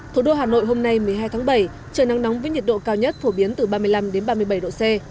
thủ đô hà nội hôm nay một mươi hai tháng bảy trời nắng nóng với nhiệt độ cao nhất phổ biến từ ba mươi năm ba mươi bảy độ c